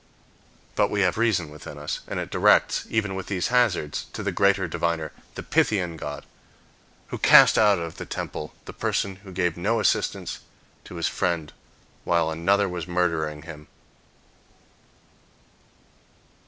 But we have reason within us, and it directs, even with these hazards, to the greater diviner, the Pythian god, who cast out of the temple the person who gave no assistance to his friend while another was murdering him.